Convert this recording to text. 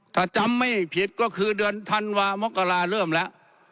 ถ้าจำไม่ผิดก็คือเดือนธันวามกราเริ่มแล้ว